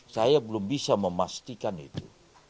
saya belum bisa memastikan itu